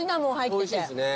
おいしいですね。